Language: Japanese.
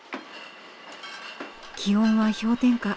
気温は氷点下。